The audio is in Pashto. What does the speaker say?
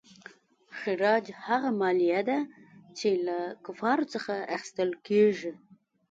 خراج هغه مالیه ده چې له کفارو څخه اخیستل کیږي.